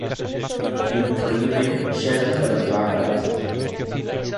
En Unforgiven Shelton derrotó a White.